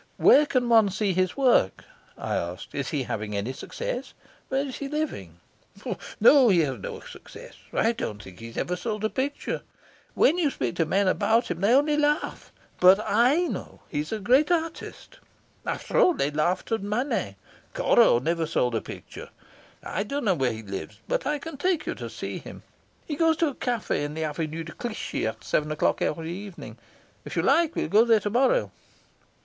"Where can one see his work?" I asked. "Is he having any success? Where is he living?" "No; he has no success. I don't think he's ever sold a picture. When you speak to men about him they only laugh. But I he's a great artist. After all, they laughed at Manet. Corot never sold a picture. I don't know where he lives, but I can take you to see him. He goes to a cafe in the Avenue de Clichy at seven o'clock every evening. If you like we'll go there to morrow."